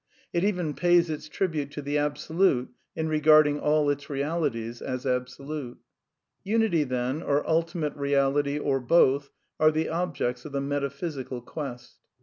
It even pays its tribute to the Absolute in regarding all its realities as absolute. Unity, then, or Ultimate Keality, or both, are the ob jects of the metaphysical quest.